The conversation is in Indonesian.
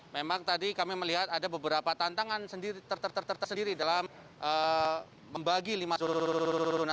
memang tadi kami melihat ada beberapa tantangan tersendiri dalam membagi lima turunan